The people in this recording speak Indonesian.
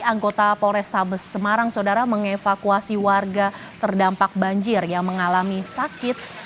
anggota polrestabes semarang saudara mengevakuasi warga terdampak banjir yang mengalami sakit